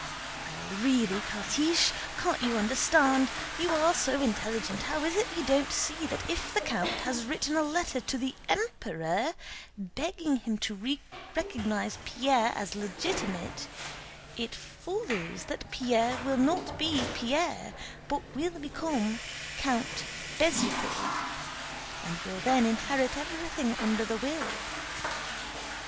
* A bastard. "Well, really, Catiche! Can't you understand! You are so intelligent, how is it you don't see that if the count has written a letter to the Emperor begging him to recognize Pierre as legitimate, it follows that Pierre will not be Pierre but will become Count Bezúkhov, and will then inherit everything under the will?